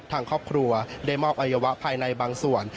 ทางครอบครัวได้มอบอัยวะภายในบางส่วน